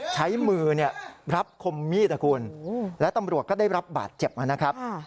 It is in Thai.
ใช้มือรับคมมีดนะคุณและตำรวจก็ได้รับบาดเจ็บนะครับ